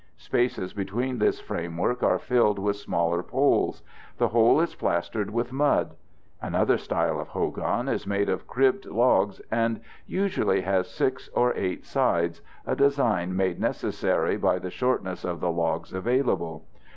Spaces between this framework are filled with smaller poles; the whole is plastered with mud. Another style of hogan is made of cribbed logs and usually has six or eight sides, a design made necessary by the shortness of the logs available.